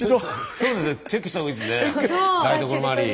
そうですねチェックした方がいいですね台所回り。